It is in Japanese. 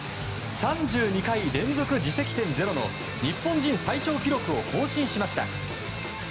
３２回連続、自責点ゼロの日本人最長記録を更新しました。